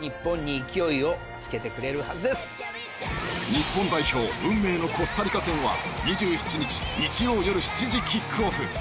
日本代表運命のコスタリカ戦は２７日日曜よる７時キックオフ。